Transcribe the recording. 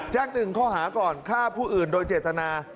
หนึ่งข้อหาก่อนฆ่าผู้อื่นโดยเจตนา